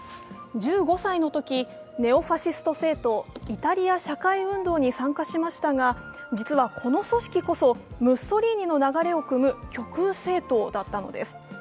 １５歳のとき、ネオファシスト政党・イタリア社会運動に参加しましたが、実はこの組織こそ、ムッソリーニの流れをくむ極右政党だったのです。